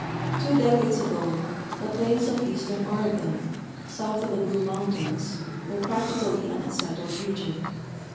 Two decades ago the plains of eastern Oregon, soiith of the Blue mountains, were practically an unsettled region.